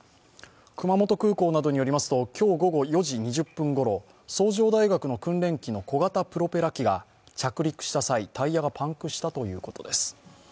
熊本空港などによりますと今日午後４時２０分ごろ、崇城大学の訓練機の小型プロペラ機が着陸した際、タイヤがパンクしたということです。